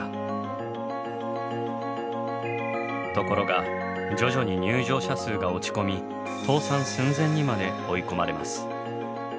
ところが徐々に入場者数が落ち込み倒産寸前にまで追い込まれます。